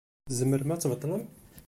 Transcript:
Tzemrem ad tbeṭlem?